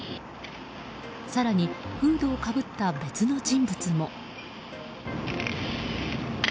更に、フードをかぶった別の人物も。